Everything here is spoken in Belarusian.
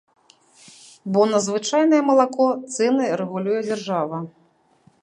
Бо на звычайнае малако цэны рэгулюе дзяржава.